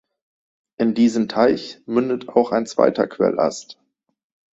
In diesen Teich mündet auch ein zweiter Quellast.